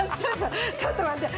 ちょっと待って。